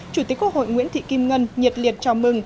chủ tịch quốc hội nguyễn thị kim ngân nhiệt liệt chào mừng